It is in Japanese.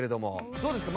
どうですか？